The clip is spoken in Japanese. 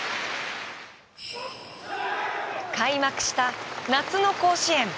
開幕した、夏の甲子園。